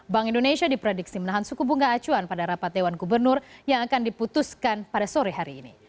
bank indonesia diprediksi menahan suku bunga acuan pada rapat dewan gubernur yang akan diputuskan pada sore hari ini